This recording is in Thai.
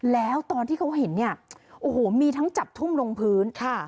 แล้วตอนที่เขาเห็นเนี่ยโอ้โหมีทั้งจับทุ่มลงพื้นค่ะ